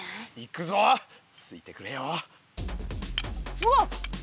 うわっ！